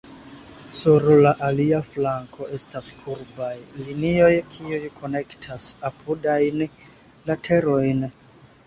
Sur la alia flanko estas kurbaj linioj kiuj konektas apudajn laterojn.